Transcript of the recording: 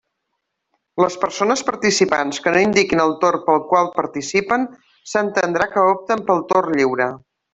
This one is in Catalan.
Les persones participants que no indiquin el torn pel qual participen, s'entendrà que opten pel torn lliure.